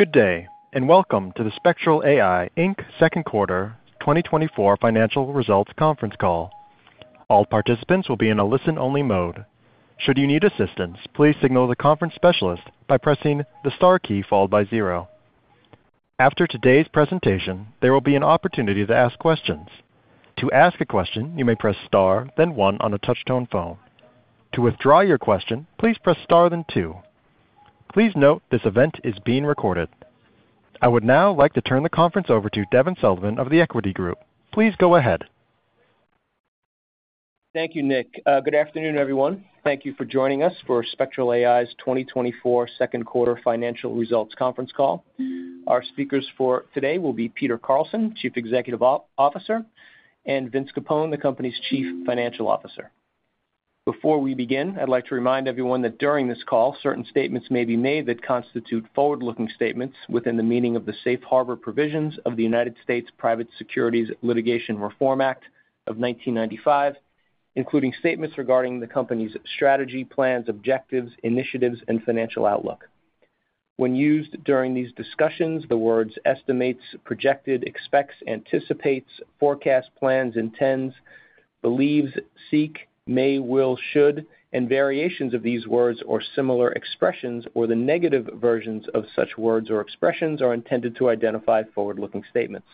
Good day, and welcome to the Spectral AI, Inc. second quarter 2024 financial results conference call. All participants will be in a listen-only mode. Should you need assistance, please signal the conference specialist by pressing the star key followed by 0. After today's presentation, there will be an opportunity to ask questions. To ask a question, you may press star, then 1 on a touchtone phone. To withdraw your question, please press star, then 2. Please note this event is being recorded. I would now like to turn the conference over to Devin Sullivan of The Equity Group. Please go ahead. Thank you, Nick. Good afternoon, everyone. Thank you for joining us for Spectral AI's 2024 second quarter financial results conference call. Our speakers for today will be Peter Carlson, Chief Executive Officer, and Vince Capone, the company's Chief Financial Officer. Before we begin, I'd like to remind everyone that during this call, certain statements may be made that constitute forward-looking statements within the meaning of the Safe Harbor provisions of the United States Private Securities Litigation Reform Act of 1995, including statements regarding the company's strategy, plans, objectives, initiatives, and financial outlook. When used during these discussions, the words estimates, projected, expects, anticipates, forecasts, plans, intends, believes, seek, may, will, should, and variations of these words or similar expressions, or the negative versions of such words or expressions are intended to identify forward-looking statements.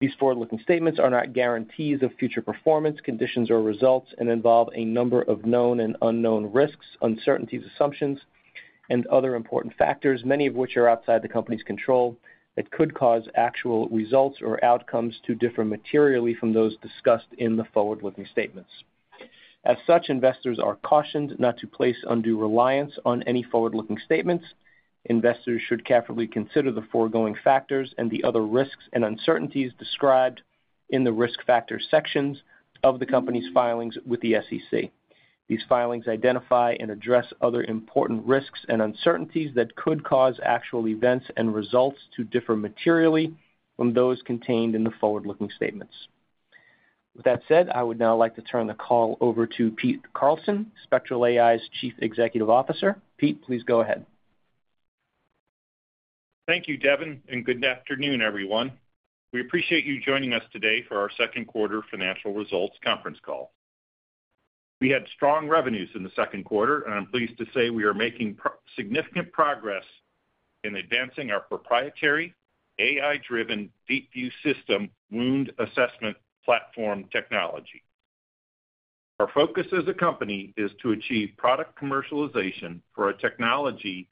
These forward-looking statements are not guarantees of future performance, conditions, or results and involve a number of known and unknown risks, uncertainties, assumptions, and other important factors, many of which are outside the company's control, that could cause actual results or outcomes to differ materially from those discussed in the forward-looking statements. As such, investors are cautioned not to place undue reliance on any forward-looking statements. Investors should carefully consider the foregoing factors and the other risks and uncertainties described in the Risk Factors sections of the company's filings with the SEC. These filings identify and address other important risks and uncertainties that could cause actual events and results to differ materially from those contained in the forward-looking statements. With that said, I would now like to turn the call over to Peter Carlson, Spectral AI's Chief Executive Officer. Peter, please go ahead. Thank you, Devin, and good afternoon, everyone. We appreciate you joining us today for our second quarter financial results conference call. We had strong revenues in the second quarter, and I'm pleased to say we are making significant progress in advancing our proprietary AI-driven DeepView System wound assessment platform technology. Our focus as a company is to achieve product commercialization for a technology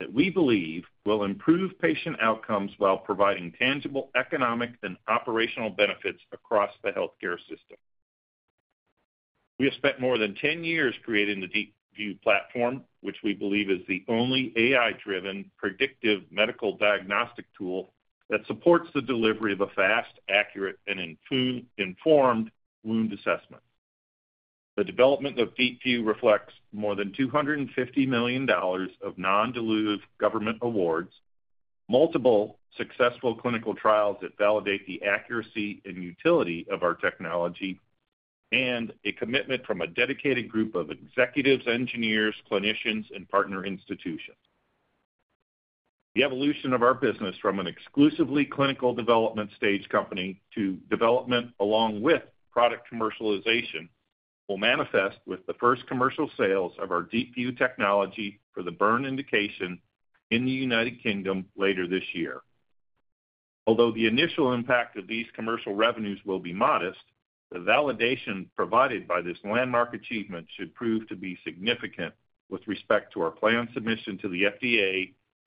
that we believe will improve patient outcomes while providing tangible economic and operational benefits across the healthcare system. We have spent more than 10 years creating the DeepView platform, which we believe is the only AI-driven predictive medical diagnostic tool that supports the delivery of a fast, accurate, and improved informed wound assessment. The development of DeepView reflects more than $250 million of non-dilutive government awards, multiple successful clinical trials that validate the accuracy and utility of our technology, and a commitment from a dedicated group of executives, engineers, clinicians, and partner institutions. The evolution of our business from an exclusively clinical development stage company to development along with product commercialization, will manifest with the first commercial sales of our DeepView technology for the burn indication in the United Kingdom later this year. Although the initial impact of these commercial revenues will be modest, the validation provided by this landmark achievement should prove to be significant with respect to our planned submission to the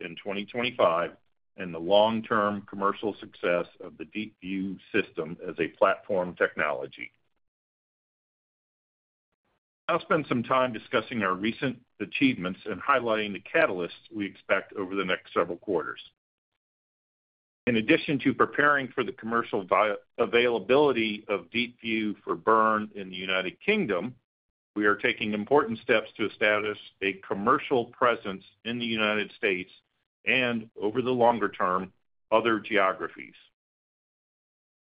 FDA in 2025 and the long-term commercial success of the DeepView system as a platform technology. I'll spend some time discussing our recent achievements and highlighting the catalysts we expect over the next several quarters. In addition to preparing for the commercial availability of DeepView for burn in the United Kingdom, we are taking important steps to establish a commercial presence in the United States and over the longer term, other geographies.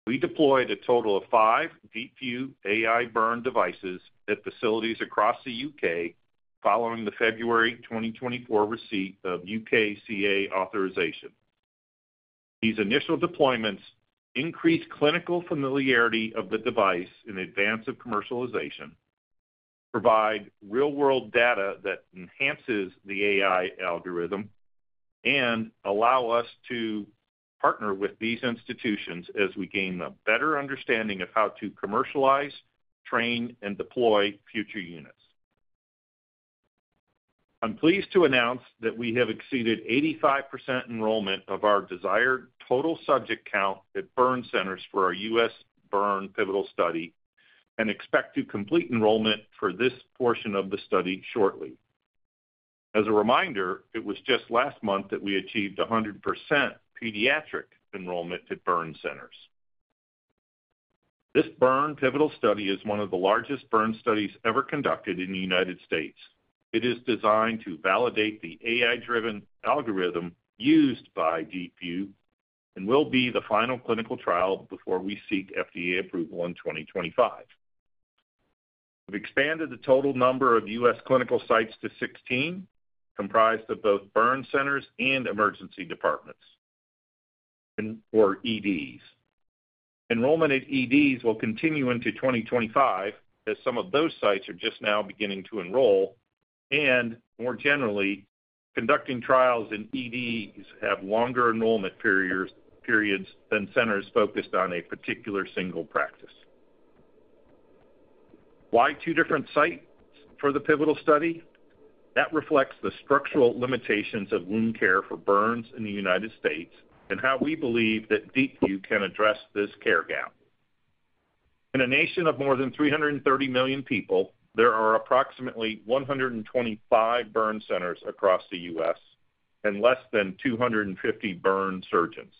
We deployed a total of five DeepView AI burn devices at facilities across the UK following the February 2024 receipt of UKCA authorization. These initial deployments increase clinical familiarity of the device in advance of commercialization, provide real-world data that enhances the AI algorithm, and allow us to partner with these institutions as we gain a better understanding of how to commercialize, train, and deploy future units. I'm pleased to announce that we have exceeded 85% enrollment of our desired total subject count at burn centers for our US burn pivotal study and expect to complete enrollment for this portion of the study shortly. As a reminder, it was just last month that we achieved 100% pediatric enrollment at burn centers. This burn pivotal study is one of the largest burn studies ever conducted in the United States. It is designed to validate the AI-driven algorithm used by DeepView and will be the final clinical trial before we seek FDA approval in 2025. We've expanded the total number of US clinical sites to 16, comprised of both burn centers and emergency departments, or EDs. Enrollment at EDs will continue into 2025, as some of those sites are just now beginning to enroll, and more generally, conducting trials in EDs have longer enrollment periods than centers focused on a particular single practice. Why two different sites for the pivotal study? That reflects the structural limitations of wound care for burns in the United States and how we believe that DeepView can address this care gap. In a nation of more than 330 million people, there are approximately 125 burn centers across the US and less than 250 burn surgeons.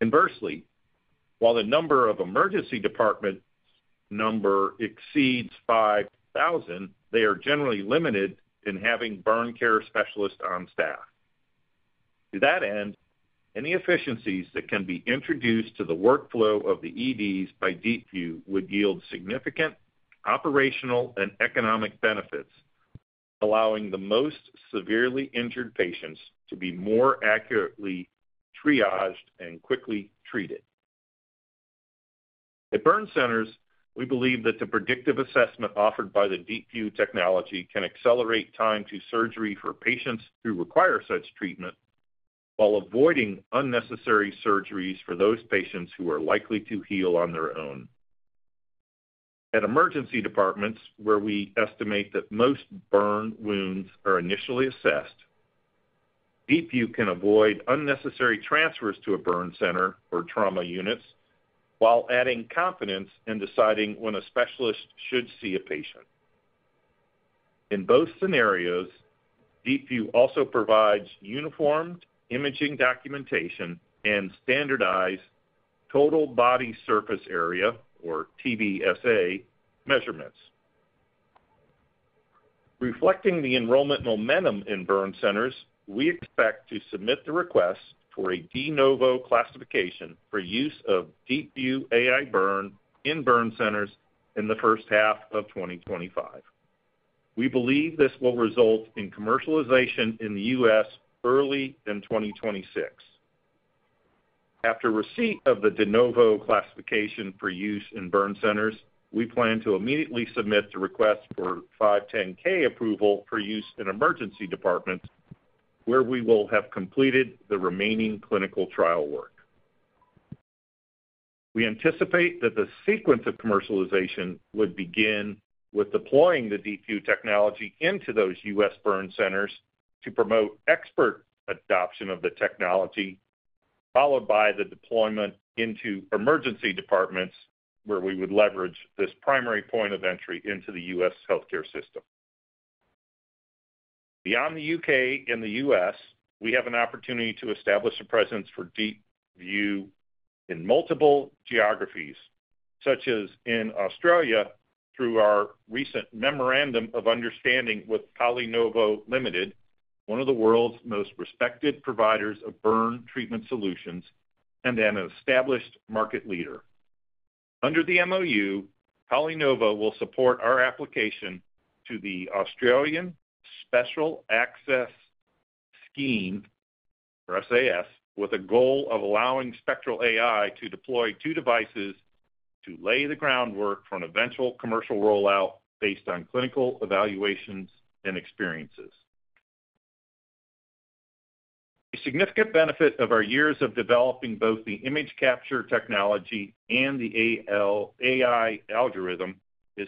Inversely, while the number of emergency departments exceeds 5,000, they are generally limited in having burn care specialists on staff. To that end, any efficiencies that can be introduced to the workflow of the EDs by DeepView would yield significant operational and economic benefits, allowing the most severely injured patients to be more accurately triaged and quickly treated. At burn centers, we believe that the predictive assessment offered by the DeepView technology can accelerate time to surgery for patients who require such treatment, while avoiding unnecessary surgeries for those patients who are likely to heal on their own. At emergency departments, where we estimate that most burn wounds are initially assessed, DeepView can avoid unnecessary transfers to a burn center or trauma units, while adding confidence in deciding when a specialist should see a patient. In both scenarios, DeepView also provides uniform imaging documentation and standardized total body surface area, or TBSA, measurements. Reflecting the enrollment momentum in burn centers, we expect to submit the request for a De Novo classification for use of DeepView AI Burn in burn centers in the first half of 2025. We believe this will result in commercialization in the US early in 2026. After receipt of the De Novo classification for use in burn centers, we plan to immediately submit the request for 510(k) approval for use in emergency departments, where we will have completed the remaining clinical trial work. We anticipate that the sequence of commercialization would begin with deploying the DeepView technology into those US burn centers to promote expert adoption of the technology, followed by the deployment into emergency departments, where we would leverage this primary point of entry into the US healthcare system. Beyond the UK and the US, we have an opportunity to establish a presence for DeepView in multiple geographies, such as in Australia, through our recent memorandum of understanding with PolyNovo Limited, one of the world's most respected providers of burn treatment solutions, and an established market leader. Under the MOU, PolyNovo will support our application to the Australian Special Access Scheme, or SAS, with a goal of allowing Spectral AI to deploy two devices to lay the groundwork for an eventual commercial rollout based on clinical evaluations and experiences. A significant benefit of our years of developing both the image capture technology and the AI algorithm is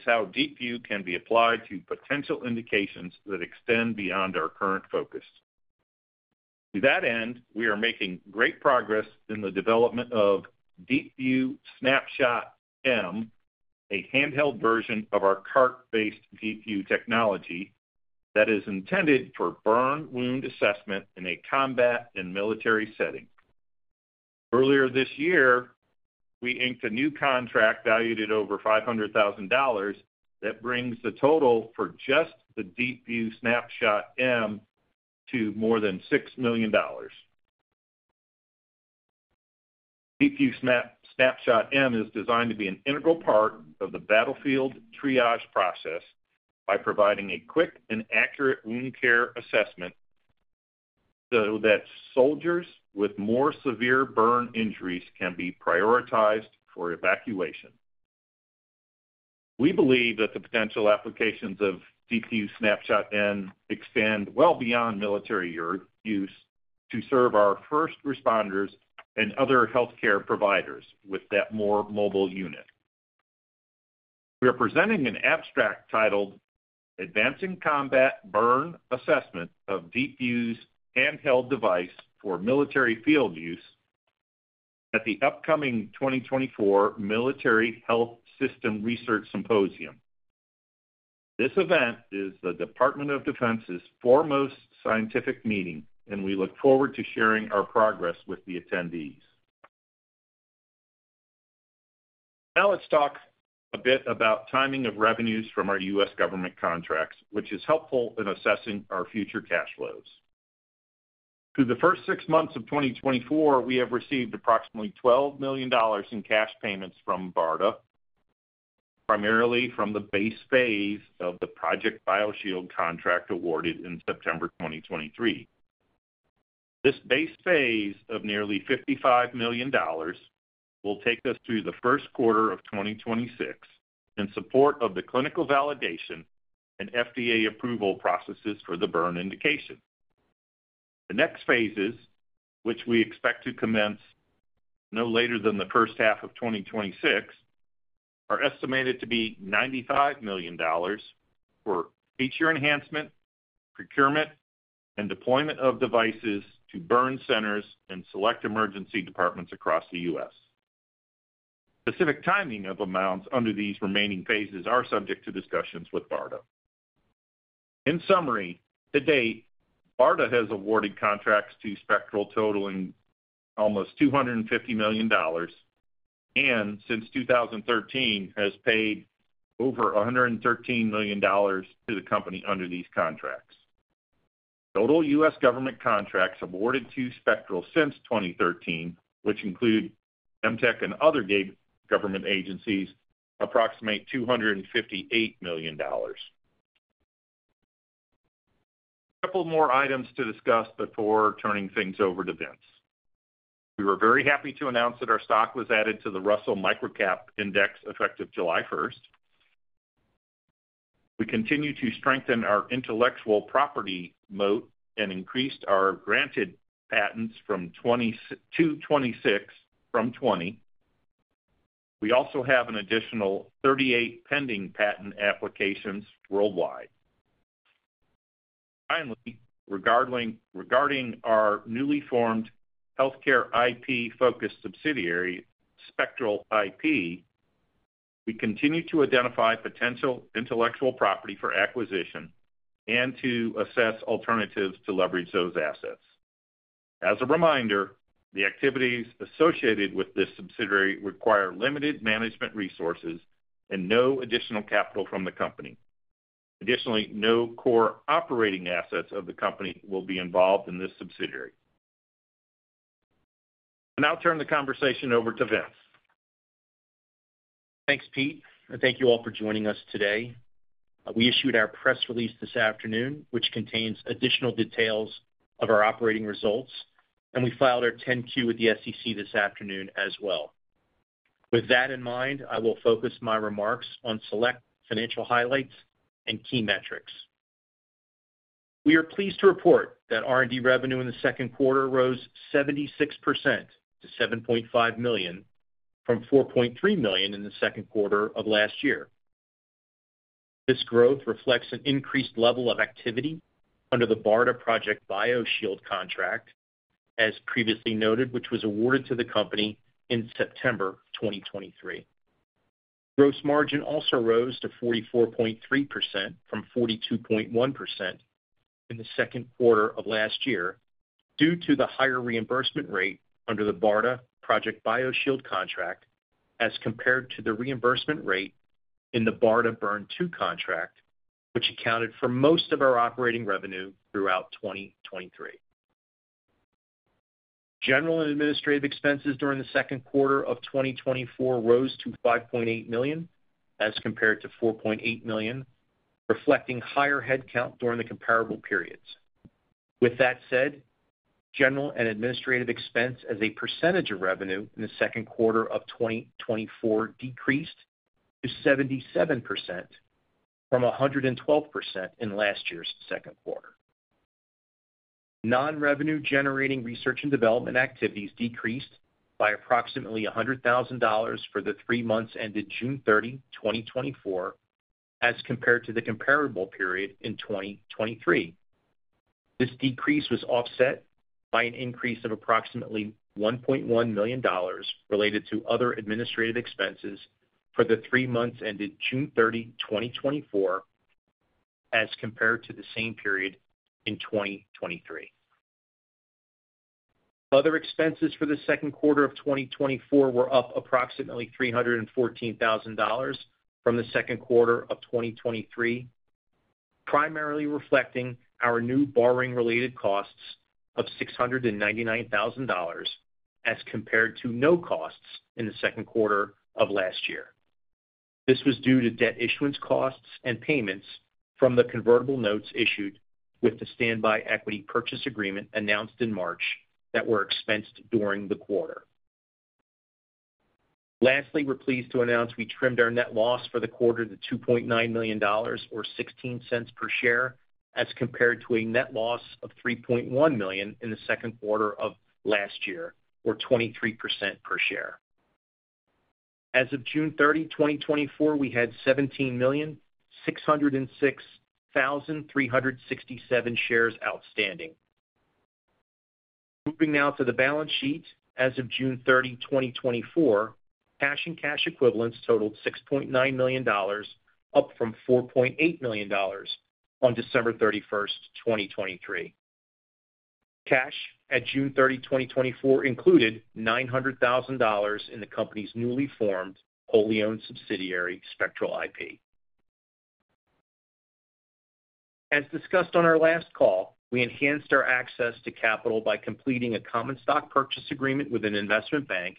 how DeepView can be applied to potential indications that extend beyond our current focus. To that end, we are making great progress in the development of DeepView Snapshot M, a handheld version of our cart-based DeepView technology that is intended for burn wound assessment in a combat and military setting. Earlier this year, we inked a new contract valued at over $500,000 that brings the total for just the DeepView Snapshot M to more than $6 million. DeepView Snapshot M is designed to be an integral part of the battlefield triage process by providing a quick and accurate wound care assessment so that soldiers with more severe burn injuries can be prioritized for evacuation. We believe that the potential applications of DeepView Snapshot M expand well beyond military use to serve our first responders and other healthcare providers with that more mobile unit. We are presenting an abstract titled, Advancing Combat Burn Assessment of DeepView's Handheld Device for Military Field Use, at the upcoming 2024 Military Health System Research Symposium. This event is the Department of Defense's foremost scientific meeting, and we look forward to sharing our progress with the attendees. Now, let's talk a bit about timing of revenues from our US government contracts, which is helpful in assessing our future cash flows. Through the first six months of 2024, we have received approximately $12 million in cash payments from BARDA, primarily from the base phase of the Project BioShield contract awarded in September 2023. This base phase of nearly $55 million will take us through the first quarter of 2026, in support of the clinical validation and FDA approval processes for the burn indication. The next phases, which we expect to commence no later than the first half of 2026, are estimated to be $95 million for feature enhancement, procurement, and deployment of devices to burn centers and select emergency departments across the US Specific timing of amounts under these remaining phases are subject to discussions with BARDA. In summary, to date, BARDA has awarded contracts to Spectral totaling almost $250 million, and since 2013, has paid over $113 million to the company under these contracts. Total US government contracts awarded to Spectral since 2013, which include MTEC and other government agencies, approximate $258 million. Couple more items to discuss before turning things over to Vince. We were very happy to announce that our stock was added to the Russell Microcap Index, effective July first. We continue to strengthen our intellectual property moat and increased our granted patents from 20 to 26. We also have an additional 38 pending patent applications worldwide. Finally, regarding our newly formed healthcare IP-focused subsidiary, Spectral IP, we continue to identify potential intellectual property for acquisition and to assess alternatives to leverage those assets. As a reminder, the activities associated with this subsidiary require limited management resources and no additional capital from the company. Additionally, no core operating assets of the company will be involved in this subsidiary. I'll now turn the conversation over to Vince. Thanks, Pete, and thank you all for joining us today. We issued our press release this afternoon, which contains additional details of our operating results, and we filed our 10-Q with the SEC this afternoon as well. With that in mind, I will focus my remarks on select financial highlights and key metrics. We are pleased to report that R&D revenue in the second quarter rose 76% to $7.5 million, from $4.3 million in the second quarter of last year. This growth reflects an increased level of activity under the BARDA Project BioShield contract, as previously noted, which was awarded to the company in September 2023. Gross margin also rose to 44.3% from 42.1% in the second quarter of last year, due to the higher reimbursement rate under the BARDA Project BioShield contract, as compared to the reimbursement rate in the BARDA Burn II contract, which accounted for most of our operating revenue throughout 2023. General and administrative expenses during the second quarter of 2024 rose to $5.8 million, as compared to $4.8 million, reflecting higher headcount during the comparable periods. With that said, general and administrative expense as a percentage of revenue in the second quarter of 2024 decreased to 77% from 112% in last year's second quarter. Non-revenue generating research and development activities decreased by approximately $100,000 for the three months ended June 30, 2024, as compared to the comparable period in 2023. This decrease was offset by an increase of approximately $1.1 million related to other administrative expenses for the three months ended June 30, 2024, as compared to the same period in 2023. Other expenses for the second quarter of 2024 were up approximately $314,000 from the second quarter of 2023, primarily reflecting our new borrowing-related costs of $699,000, as compared to no costs in the second quarter of last year. This was due to debt issuance costs and payments from the convertible notes issued with the standby equity purchase agreement announced in March that were expensed during the quarter. Lastly, we're pleased to announce we trimmed our net loss for the quarter to $2.9 million or 16 cents per share, as compared to a net loss of $3.1 million in the second quarter of last year, or 23% per share. As of June 30, 2024, we had 17,606,367 shares outstanding. Moving now to the balance sheet, as of June 30, 2024, cash and cash equivalents totaled $6.9 million, up from $4.8 million on December 31, 2023. Cash at June 30, 2024, included $900,000 in the company's newly formed, wholly owned subsidiary, Spectral IP. As discussed on our last call, we enhanced our access to capital by completing a common stock purchase agreement with an investment bank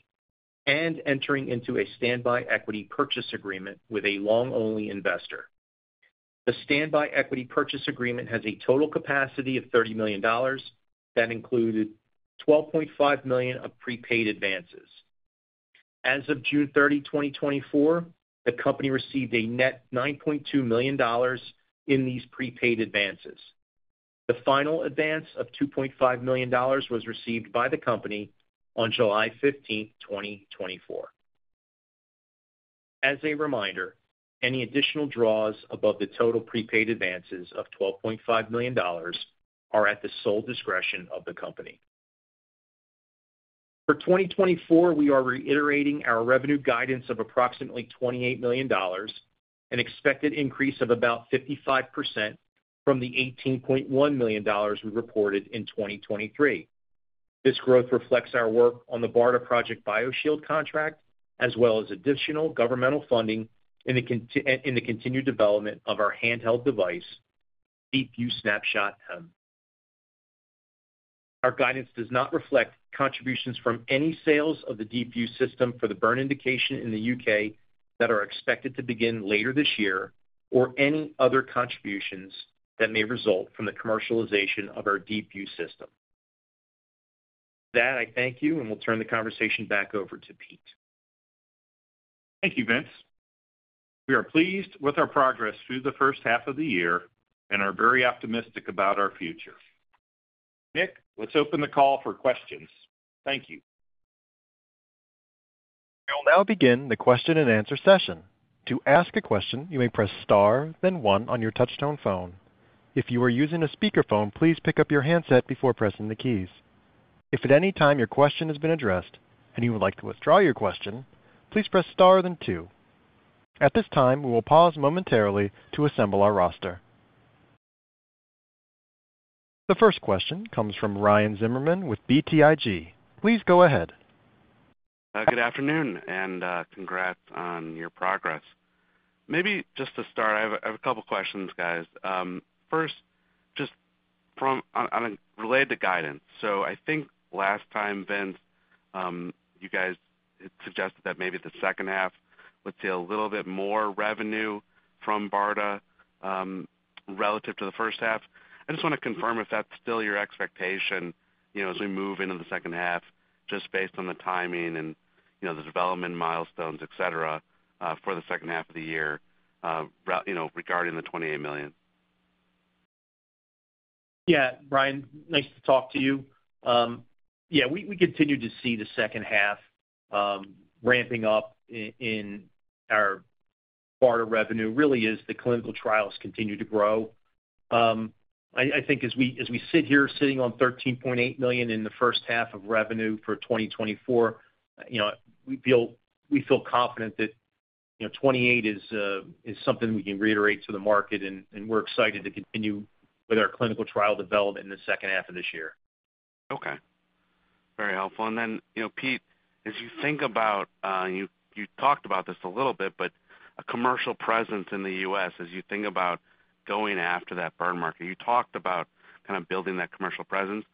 and entering into a standby equity purchase agreement with a long-only investor. The standby equity purchase agreement has a total capacity of $30 million, that included $12.5 million of prepaid advances. As of June 30, 2024, the company received a net $9.2 million in these prepaid advances. The final advance of $2.5 million was received by the company on July 15, 2024. As a reminder, any additional draws above the total prepaid advances of $12.5 million are at the sole discretion of the company. For 2024, we are reiterating our revenue guidance of approximately $28 million, an expected increase of about 55% from the $18.1 million we reported in 2023. This growth reflects our work on the BARDA Project BioShield contract, as well as additional governmental funding in the continued development of our handheld device, DeepView Snapshot M. Our guidance does not reflect contributions from any sales of the DeepView System for the burn indication in the UK that are expected to begin later this year, or any other contributions that may result from the commercialization of our DeepView System. With that, I thank you, and we'll turn the conversation back over to Pete. Thank you, Vince. We are pleased with our progress through the first half of the year and are very optimistic about our future. Nick, let's open the call for questions. Thank you. We will now begin the question-and-answer session. To ask a question, you may press star, then one on your touchtone phone. If you are using a speakerphone, please pick up your handset before pressing the keys. If at any time your question has been addressed and you would like to withdraw your question, please press star then two. At this time, we will pause momentarily to assemble our roster. The first question comes from Ryan Zimmerman with BTIG. Please go ahead. Good afternoon, and, congrats on your progress. Maybe just to start, I have a couple questions, guys. First, just from, on, I mean, related to guidance. So I think last time, Vince, you guys had suggested that maybe the second half would see a little bit more revenue from BARDA, relative to the first half. I just want to confirm if that's still your expectation, you know, as we move into the second half, just based on the timing and, you know, the development milestones, et cetera, for the second half of the year, you know, regarding the $28 million. Yeah, Ryan, nice to talk to you. Yeah, we continue to see the second half ramping up in our BARDA revenue, really as the clinical trials continue to grow. I think as we sit here, sitting on $13.8 million in the first half of revenue for 2024, you know, we feel confident that, you know, $28 million is something we can reiterate to the market, and we're excited to continue with our clinical trial development in the second half of this year. Okay. Very helpful. And then, you know, Pete, as you think about, and you, you talked about this a little bit, but a commercial presence in the US, as you think about going after that burn market, you talked about kind of building that commercial presence.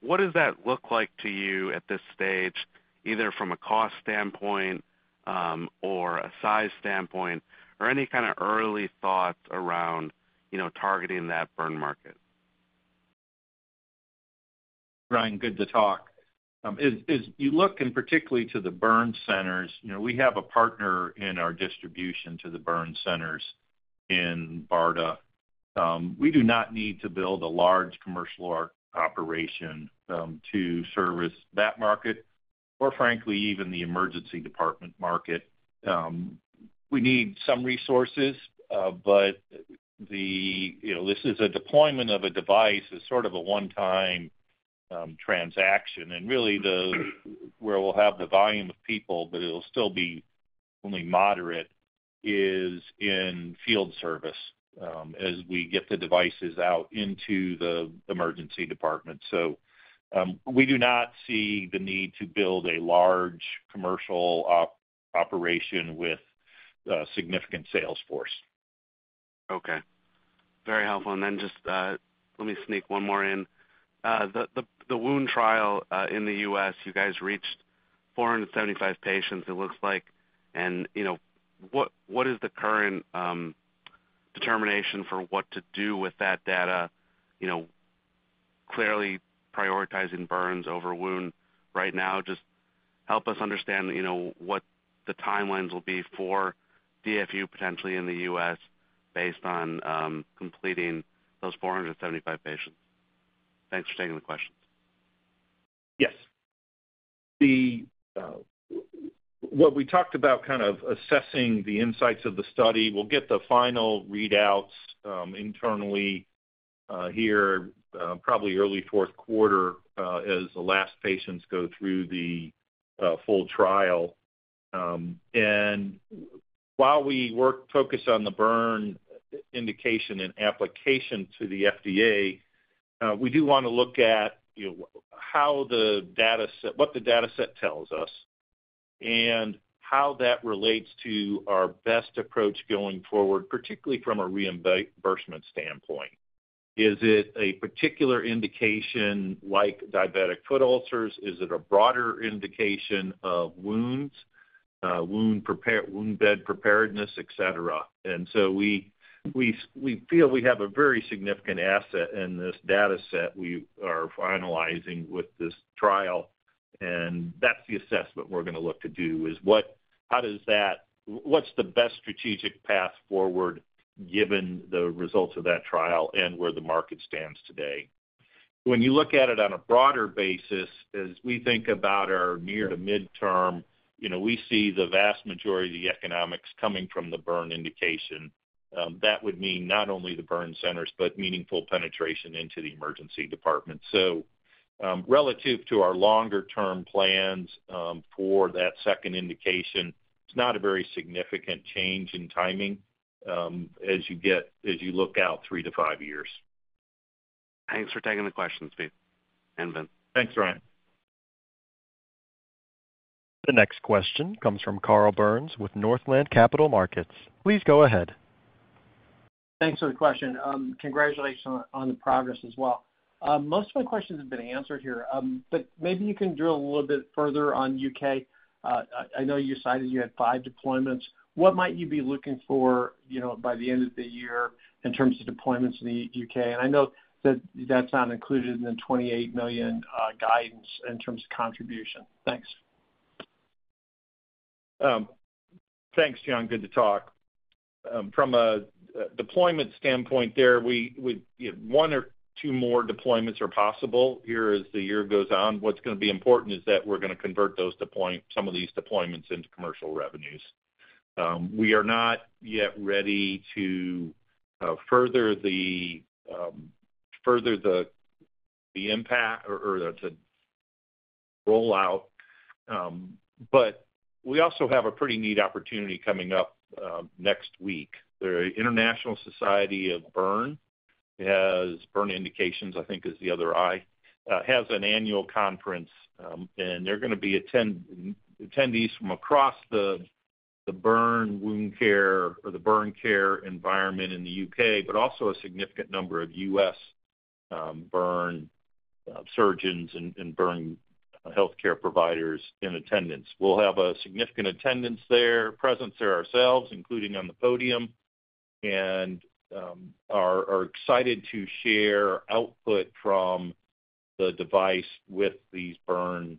What does that look like to you at this stage, either from a cost standpoint, or a size standpoint, or any kind of early thoughts around, you know, targeting that burn market? Ryan, good to talk. As you look, and particularly to the burn centers, you know, we have a partner in our distribution to the burn centers in BARDA. We do not need to build a large commercial org operation to service that market, or frankly, even the emergency department market. We need some resources, but you know, this is a deployment of a device. It's sort of a one-time transaction. And really, where we'll have the volume of people, but it'll still be only moderate, is in field service as we get the devices out into the emergency department. So, we do not see the need to build a large commercial operation with a significant sales force. Okay. Very helpful. And then just, let me sneak one more in. The wound trial in the US, you guys reached 475 patients, it looks like. And, you know, what is the current determination for what to do with that data? You know, clearly prioritizing burns over wound right now. Just help us understand, you know, what the timelines will be for DFU, potentially in the US, based on completing those 475 patients. Thanks for taking the questions. Yes. What we talked about, kind of assessing the insights of the study, we'll get the final readouts, internally, here, probably early fourth quarter, as the last patients go through the, full trial. And while we work, focus on the burn indication and application to the FDA, we do want to look at, you know, how the data set, what the data set tells us, and how that relates to our best approach going forward, particularly from a reimbursement standpoint. Is it a particular indication, like diabetic foot ulcers? Is it a broader indication of wounds, wound bed preparedness, et cetera? And so we feel we have a very significant asset in this data set we are finalizing with this trial, and that's the assessment we're going to look to do, is what's the best strategic path forward, given the results of that trial and where the market stands today? When you look at it on a broader basis, as we think about our near to midterm, you know, we see the vast majority of the economics coming from the burn indication. That would mean not only the burn centers, but meaningful penetration into the emergency department. So, relative to our longer-term plans, for that second indication, it's not a very significant change in timing, as you look out three to five years. Thanks for taking the questions, Pete and Vince. Thanks, Ryan. The next question comes from Carl Byrnes with Northland Capital Markets. Please go ahead. Thanks for the question. Congratulations on, on the progress as well. Most of my questions have been answered here, but maybe you can drill a little bit further on UK. I know you cited you had five deployments. What might you be looking for, you know, by the end of the year in terms of deployments in the UK? And I know that that's not included in the $28 million guidance in terms of contribution. Thanks. Thanks, John. Good to talk. From a deployment standpoint there, we one or two more deployments are possible here as the year goes on. What's going to be important is that we're going to convert those some of these deployments into commercial revenues. We are not yet ready to further the impact or to roll out, but we also have a pretty neat opportunity coming up next week. The International Society for Burn Injuries has an annual conference, and there are going to be attendees from across the burn wound care or the burn care environment in the UK, but also a significant number of US burn surgeons and burn healthcare providers in attendance. We'll have a significant attendance there, presence there ourselves, including on the podium, and are excited to share output from the device with these burn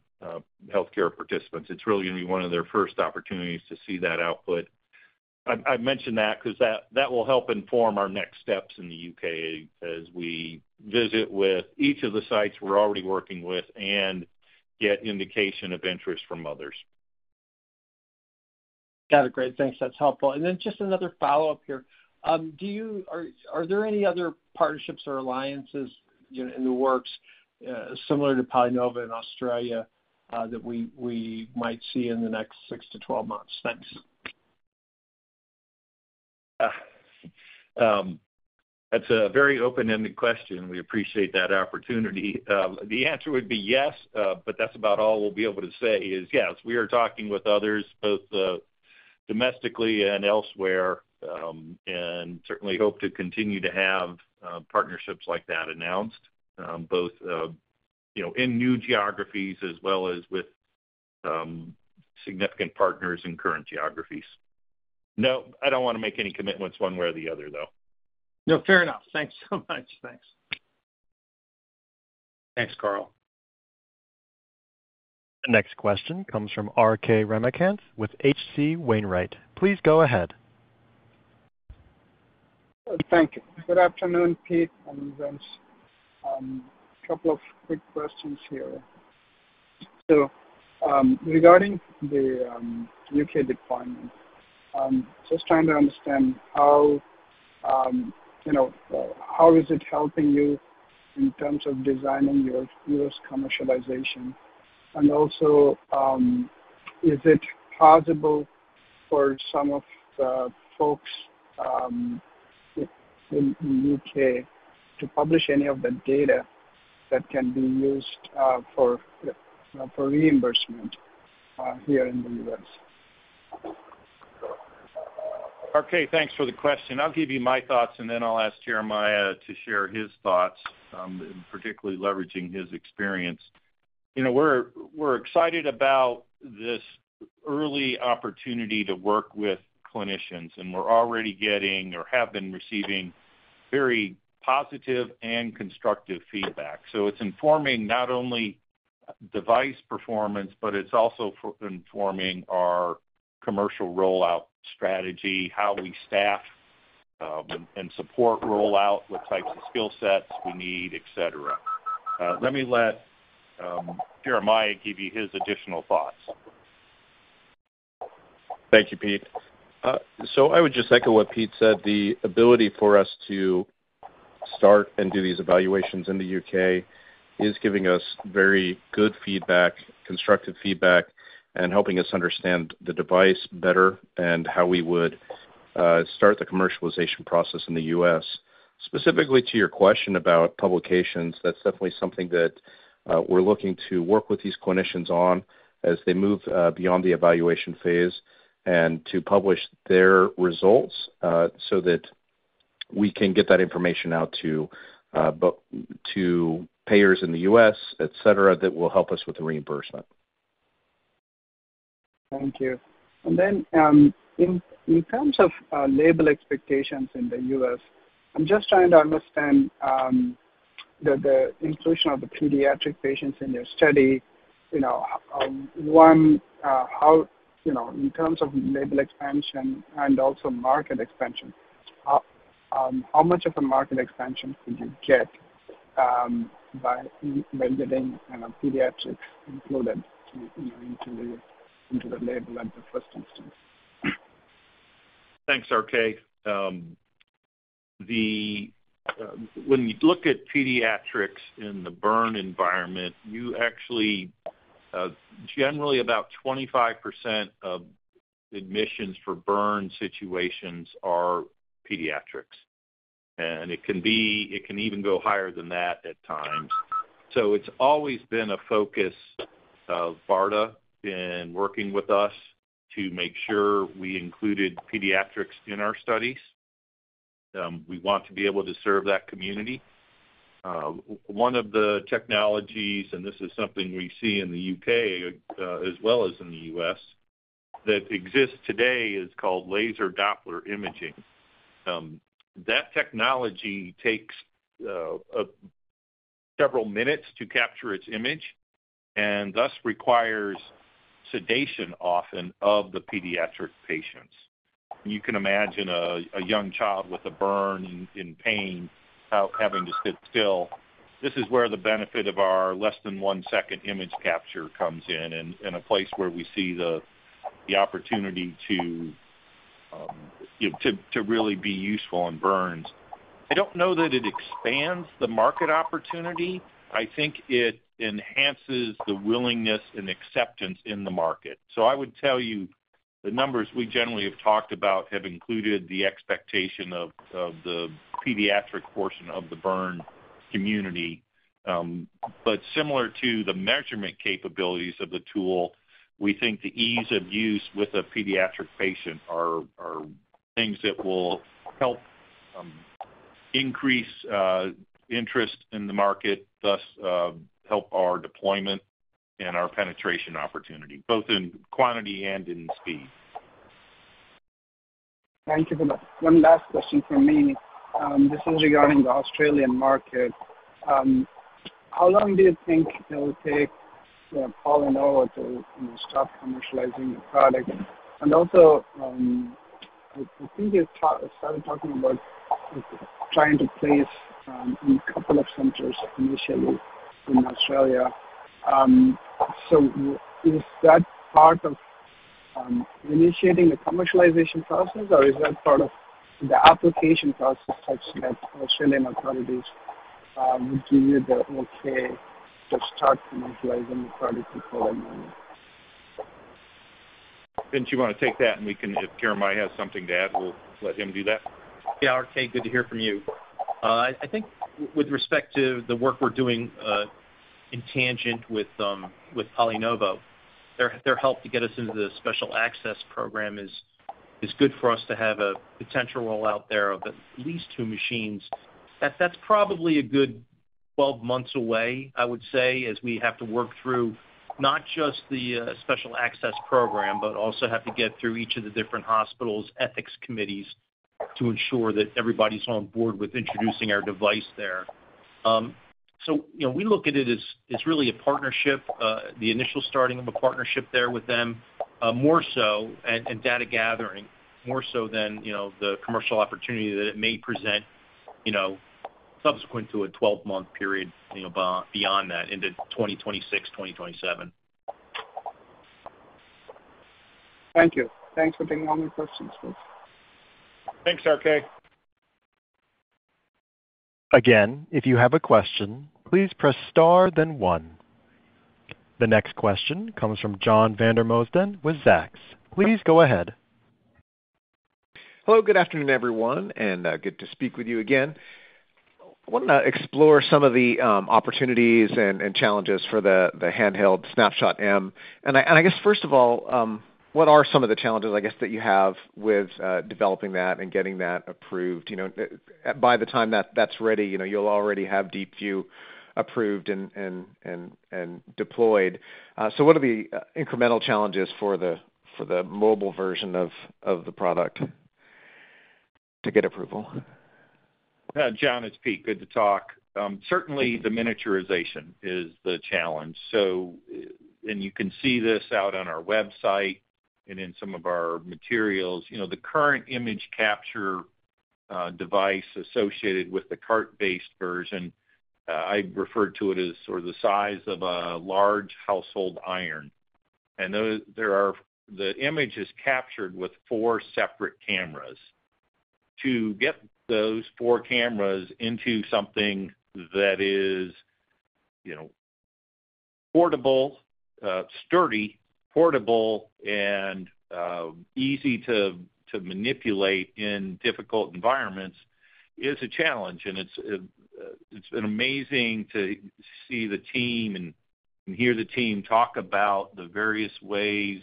healthcare participants. It's really going to be one of their first opportunities to see that output. I mentioned that because that will help inform our next steps in the UK as we visit with each of the sites we're already working with and get indication of interest from others. Got it. Great. Thanks. That's helpful. And then just another follow-up here. Do you... Are there any other partnerships or alliances, you know, in the works, similar to PolyNovo in Australia, that we might see in the next 6 to 12 months? Thanks. That's a very open-ended question. We appreciate that opportunity. The answer would be yes, but that's about all we'll be able to say is, yes, we are talking with others, both, domestically and elsewhere, and certainly hope to continue to have, partnerships like that announced, both, you know, in new geographies as well as with, significant partners in current geographies. No, I don't want to make any commitments one way or the other, though. No, fair enough. Thanks so much. Thanks. Thanks, Carl. The next question comes from RK Ramakanth with H.C. Wainwright. Please go ahead. Thank you. Good afternoon, Pete and Vince. A couple of quick questions here. So, regarding the UK deployment, just trying to understand how, you know, how is it helping you in terms of designing your US commercialization? And also, is it possible for some of the folks in the UK to publish any of the data that can be used for reimbursement here in the US? RK, thanks for the question. I'll give you my thoughts, and then I'll ask Jeremiah to share his thoughts, and particularly leveraging his experience. You know, we're excited about this early opportunity to work with clinicians, and we're already getting or have been receiving very positive and constructive feedback. So it's informing not only device performance, but it's also for informing our commercial rollout strategy, how we staff, and support rollout, what types of skill sets we need, et cetera. Let Jeremiah give you his additional thoughts. Thank you, Pete. So I would just echo what Pete said. The ability for us to start and do these evaluations in the UK is giving us very good feedback, constructive feedback, and helping us understand the device better and how we would start the commercialization process in the US. Specifically to your question about publications, that's definitely something that we're looking to work with these clinicians on as they move beyond the evaluation phase, and to publish their results, so that we can get that information out to to payers in the US, et cetera, that will help us with the reimbursement. Thank you. Then, in terms of label expectations in the US, I'm just trying to understand the inclusion of the pediatric patients in your study. You know, how, you know, in terms of label expansion and also market expansion, how much of a market expansion could you get by getting, kind of, pediatrics included into the label at the first instance? Thanks, RK. When you look at pediatrics in the burn environment, you actually generally about 25% of admissions for burn situations are pediatrics, and it can even go higher than that at times. So it's always been a focus of BARDA in working with us to make sure we included pediatrics in our studies. We want to be able to serve that community. One of the technologies, and this is something we see in the UK, as well as in the US, that exists today, is called Laser Doppler Imaging. That technology takes several minutes to capture its image, and thus requires sedation, often, of the pediatric patients. You can imagine a young child with a burn in pain, having to sit still. This is where the benefit of our less than one-second image capture comes in, and a place where we see the opportunity to, you know, to really be useful in burns. I don't know that it expands the market opportunity. I think it enhances the willingness and acceptance in the market. So I would tell you, the numbers we generally have talked about have included the expectation of the pediatric portion of the burn community. But similar to the measurement capabilities of the tool, we think the ease of use with a pediatric patient are things that will help increase interest in the market, thus help our deployment and our penetration opportunity, both in quantity and in speed. Thank you for that. One last question from me. This is regarding the Australian market. How long do you think it will take, Polynovo to, you know, start commercializing the product? And also, I think you started talking about trying to place, in a couple of centers initially in Australia. So is that part of, initiating the commercialization process, or is that part of the application process such that Australian authorities, would give you the okay to start commercializing the product before then? Vince, you want to take that? And we can, if Jeremiah has something to add, we'll let him do that. Yeah, RK, good to hear from you. I think with respect to the work we're doing in tandem with PolyNovo, their help to get us into the Special Access Scheme is good for us to have a potential roll out there of at least two machines. That's probably a good 12 months away, I would say, as we have to work through not just the Special Access Scheme, but also have to get through each of the different hospitals' ethics committees to ensure that everybody's on board with introducing our device there. So, you know, we look at it as, as really a partnership, the initial starting of a partnership there with them, more so, and, and data gathering, more so than, you know, the commercial opportunity that it may present, you know, subsequent to a 12-month period, you know, beyond that, into 2026, 2027. Thank you. Thanks for taking all my questions. Thanks, RK. Again, if you have a question, please press Star, then One. The next question comes from John Vandermosten with Zacks. Please go ahead. Hello, good afternoon, everyone, and good to speak with you again. I want to explore some of the opportunities and challenges for the handheld Snapshot M. I guess, first of all, what are some of the challenges, I guess, that you have with developing that and getting that approved? You know, by the time that that's ready, you know, you'll already have DeepView approved and deployed. So what are the incremental challenges for the mobile version of the product to get approval? John, it's Pete. Good to talk. Certainly the miniaturization is the challenge. So, and you can see this out on our website and in some of our materials. You know, the current image capture device associated with the cart-based version, I refer to it as sort of the size of a large household iron. And the image is captured with four separate cameras. To get those four cameras into something that is, you know, portable, sturdy, portable, and easy to manipulate in difficult environments is a challenge, and it's been amazing to see the team and hear the team talk about the various ways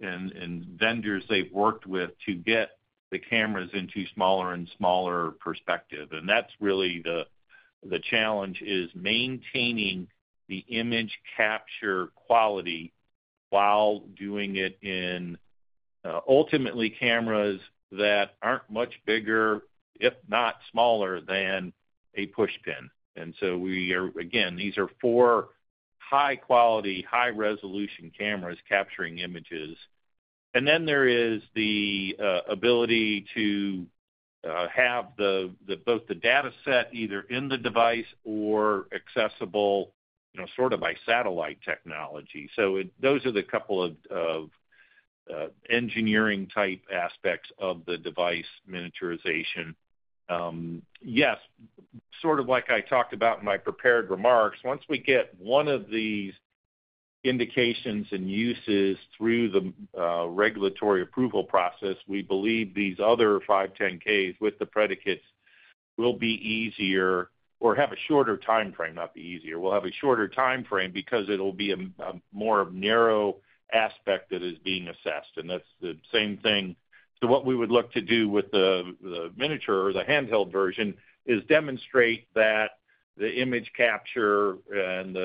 and vendors they've worked with to get the cameras into smaller and smaller perspective. That's really the challenge, is maintaining the image capture quality while doing it in ultimately cameras that aren't much bigger, if not smaller, than a pushpin. So we are—again, these are four high-quality, high-resolution cameras capturing images. And then there is the ability to have both the data set, either in the device or accessible, you know, sort of by satellite technology. So those are the couple of engineering-type aspects of the device miniaturization. Yes, sort of like I talked about in my prepared remarks, once we get one of these indications and uses through the regulatory approval process, we believe these other five 510(k)s with the predicates will be easier or have a shorter timeframe, not be easier. We'll have a shorter timeframe because it'll be a more narrow aspect that is being assessed, and that's the same thing. So what we would look to do with the miniature or the handheld version is demonstrate that the image capture and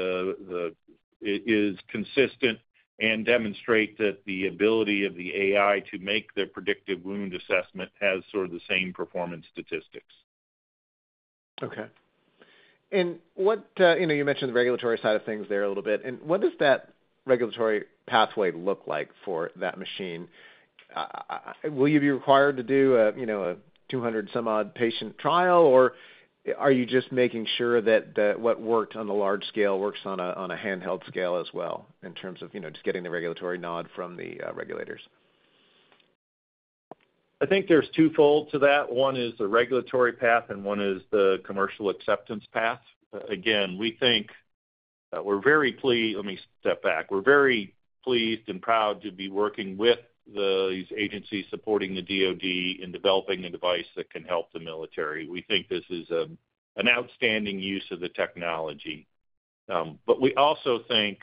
it is consistent and demonstrate that the ability of the AI to make the predictive wound assessment has sort of the same performance statistics. Okay. And what, you know, you mentioned the regulatory side of things there a little bit. And what does that regulatory pathway look like for that machine? Will you be required to do a, you know, a 200-some-odd patient trial, or are you just making sure that, that what worked on the large scale works on a, on a handheld scale as well, in terms of, you know, just getting the regulatory nod from the, regulators? I think there's twofold to that. One is the regulatory path, and one is the commercial acceptance path. Again, we think, we're very pleased. Let me step back. We're very pleased and proud to be working with these agencies supporting the DoD in developing a device that can help the military. We think this is an outstanding use of the technology. But we also think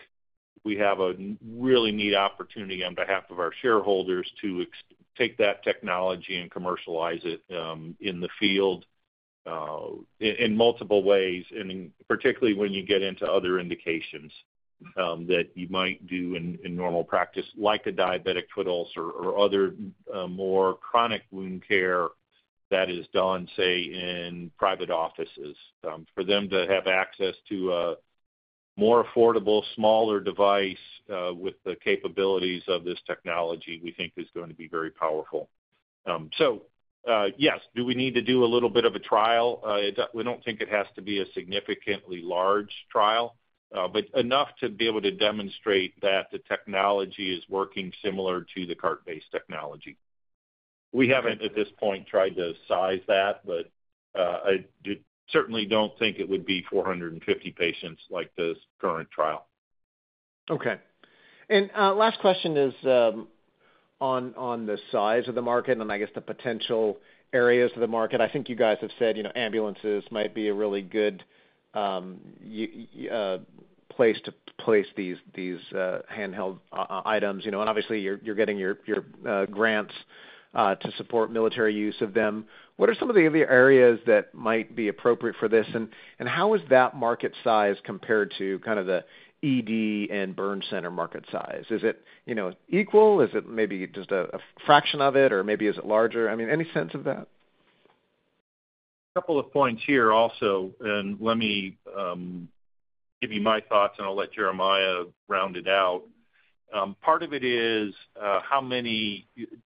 we have a really neat opportunity on behalf of our shareholders to take that technology and commercialize it, in the field, in multiple ways, and in particularly when you get into other indications, that you might do in normal practice, like a diabetic foot ulcer or other, more chronic wound care that is done, say, in private offices. For them to have access to a more affordable, smaller device, with the capabilities of this technology, we think is going to be very powerful. So, yes, do we need to do a little bit of a trial? We don't think it has to be a significantly large trial, but enough to be able to demonstrate that the technology is working similar to the cart-based technology. We haven't, at this point, tried to size that, but, I certainly don't think it would be 450 patients like this current trial. Okay. And last question is on the size of the market and then I guess, the potential areas of the market. I think you guys have said, you know, ambulances might be a really good place to place these handheld items. You know, and obviously, you're getting your grants to support military use of them. What are some of the other areas that might be appropriate for this, and how is that market size compared to kind of the ED and burn center market size? Is it, you know, equal? Is it maybe just a fraction of it, or maybe is it larger? I mean, any sense of that? A couple of points here also, and let me give you my thoughts, and I'll let Jeremiah round it out. Part of it is,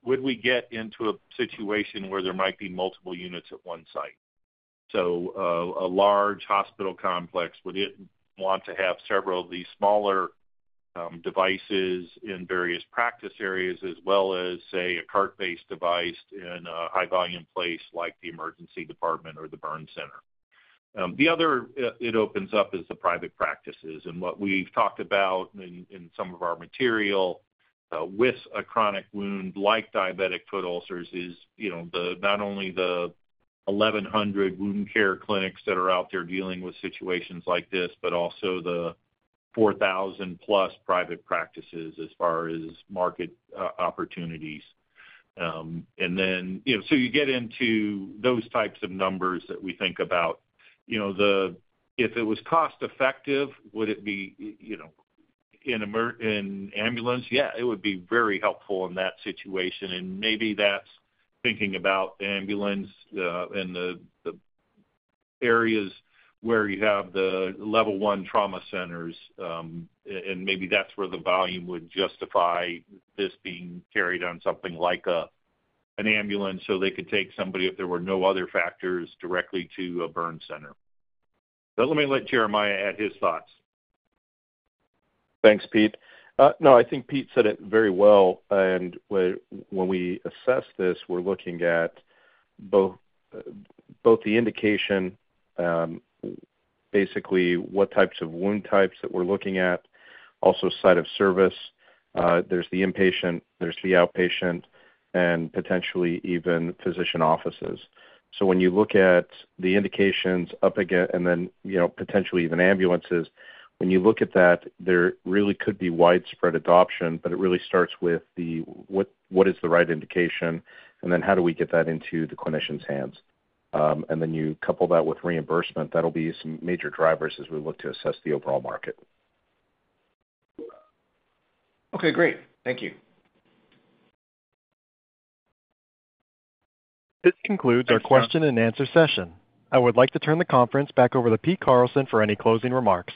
would we get into a situation where there might be multiple units at one site? So, a large hospital complex, would it want to have several of these smaller devices in various practice areas, as well as, say, a cart-based device in a high-volume place like the emergency department or the burn center? The other it opens up is the private practices. And what we've talked about in some of our material with a chronic wound like diabetic foot ulcers is, you know, the, not only the 1,100 wound care clinics that are out there dealing with situations like this, but also the 4,000 plus private practices as far as market opportunities. And then, you know, so you get into those types of numbers that we think about. You know, the... If it was cost-effective, would it be, you know, in emergency in ambulance? Yeah, it would be very helpful in that situation, and maybe that's thinking about ambulance, and the areas where you have the level one trauma centers. And maybe that's where the volume would justify this being carried on something like an ambulance, so they could take somebody, if there were no other factors, directly to a burn center. But let me let Jeremiah add his thoughts. Thanks, Pete. No, I think Pete said it very well, and when we assess this, we're looking at both the indication, basically, what types of wound types that we're looking at, also site of service. There's the inpatient, there's the outpatient, and potentially even physician offices. So when you look at the indications up again, and then, you know, potentially even ambulances, when you look at that, there really could be widespread adoption, but it really starts with the, what is the right indication, and then how do we get that into the clinician's hands? And then you couple that with reimbursement, that'll be some major drivers as we look to assess the overall market. Okay, great. Thank you. This concludes our question-and-answer session. I would like to turn the conference back over to Pete Carlson for any closing remarks.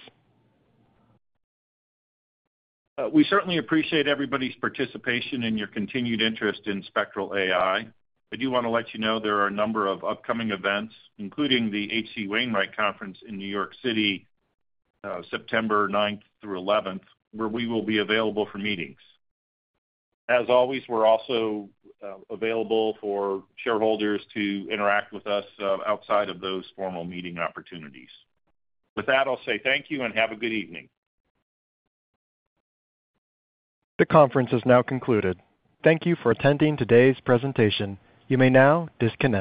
We certainly appreciate everybody's participation and your continued interest in Spectral AI. I do want to let you know there are a number of upcoming events, including the H.C. Wainwright Conference in New York City, September ninth through eleventh, where we will be available for meetings. As always, we're also available for shareholders to interact with us, outside of those formal meeting opportunities. With that, I'll say thank you and have a good evening. The conference is now concluded. Thank you for attending today's presentation. You may now disconnect.